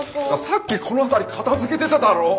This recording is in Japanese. さっきこの辺り片づけてただろ？